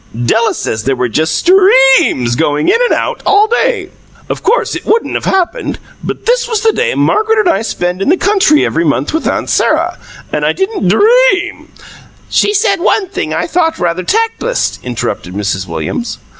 Della says there were just STREAMS going in and out all day. Of course it wouldn't have happened, but this was the day Margaret and I spend every month in the country with Aunt Sarah, and I didn't DREAM " "She said one thing I thought rather tactless," interrupted Mrs. Williams.